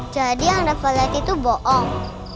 jadi yang dapat lihat itu bohong